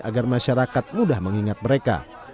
agar masyarakat mudah mengingat mereka